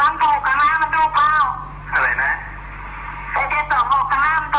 นั่นแหละ